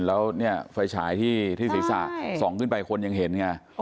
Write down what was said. แล้วเนี่ยไฟฉายที่ศิษย์ศาสตร์ส่องขึ้นไปคนยังเห็นเนี่ย